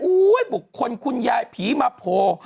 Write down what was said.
อุ้ยบุคคลคุณยายผีมะโพ